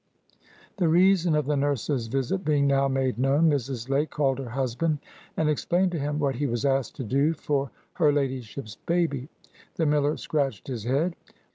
The reason of the nurse's visit being now made known, Mrs. Lake called her husband, and explained to him what he was asked to do for "her ladyship's baby." The miller scratched his head.